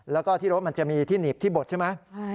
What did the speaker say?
แล้วก็ที่รถมันจะมีที่หนีบที่บดใช่ไหม